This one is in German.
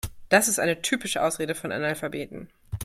Das ist eine typische Ausrede von Analphabeten.